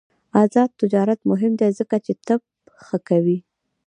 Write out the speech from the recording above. آزاد تجارت مهم دی ځکه چې طب ښه کوي.